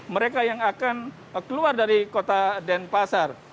mereka yang akan keluar dari kota denpasar